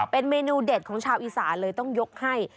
เป็นเมนูเด็ดของชาวอีสานเลยต้องยกให้